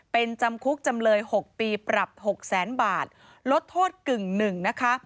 เป็นจำคุกจำเลย๖ปีปรับ๖แสนบาทลดโทษกึ่งหนึ่งนะคะ